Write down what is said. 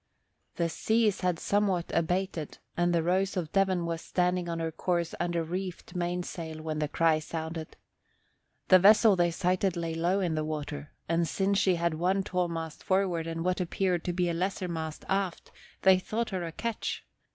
The seas had somewhat abated and the Rose of Devon was standing on her course under reefed mainsail when the cry sounded. The vessel they sighted lay low in the water; and since she had one tall mast forward and what appeared to be a lesser mast aft they thought her a ketch.